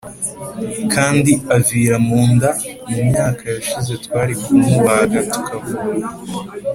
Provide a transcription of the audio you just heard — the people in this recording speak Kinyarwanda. kandi avira mu nda Mu myaka yashize twari kumubaga tukavura